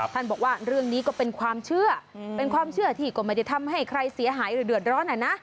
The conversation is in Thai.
บอกว่าเรื่องนี้ก็เป็นความเชื่อเป็นความเชื่อที่ก็ไม่ได้ทำให้ใครเสียหายหรือเดือดร้อนอ่ะนะ